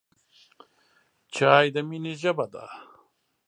چای د مینې ژبه ده.